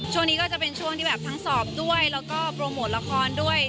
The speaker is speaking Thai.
ช่วงนี้ก็จะเป็นช่วงที่แบบทั้งสอบด้วยแล้วก็โปรโมทละครด้วย